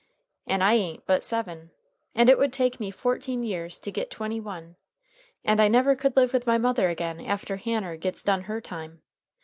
And I a'n't but seven. And it would take me fourteen years to git twenty one, and I never could live with my mother again after Hanner gets done her time.